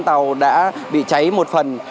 tàu đã bị cháy một phần